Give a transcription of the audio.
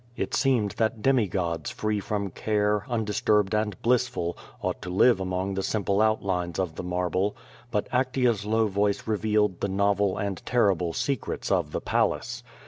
It seemed that demigods free from care, undisturbed and blissful, ought to live among the simple outlines of the marble, but Actea's low voice revealed the novel and terrible secrets of the palace.